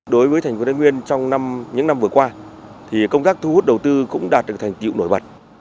đối với thành phố thái nguyên trong những năm vừa qua thì công tác thu hút đầu tư cũng đạt được thành tiệu nổi bật